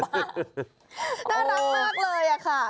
น่ารักมากเลยค่ะ